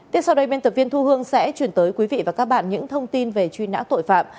tiếp sau đây biên tập viên thu hương sẽ chuyển tới quý vị và các bạn những thông tin về truy nã tội phạm